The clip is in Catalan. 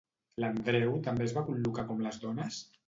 L'Andreu també es va col·locar com les dones?